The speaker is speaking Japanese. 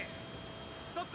ストップ！